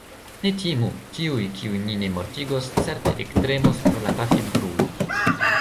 Ne timu! Tiuj, kiujn ni ne mortigos, certe ektremos pro la pafilbruo.